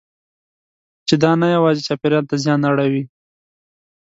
چې دا نه یوازې چاپېریال ته زیان اړوي.